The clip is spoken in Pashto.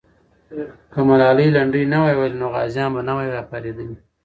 که ملالۍ لنډۍ نه وای ویلې، نو غازیان به نه وای راپارېدلي.